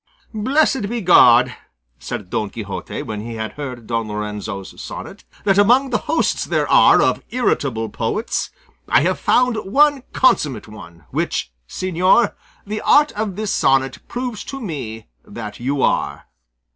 "Blessed be God," said Don Quixote when he had heard Don Lorenzo's sonnet, "that among the hosts there are of irritable poets I have found one consummate one, which, señor, the art of this sonnet proves to me that you are!"